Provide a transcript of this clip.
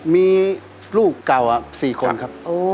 มีลูกเก่า๔คนครับ